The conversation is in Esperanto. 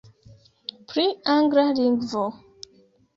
Pri angla lingvo.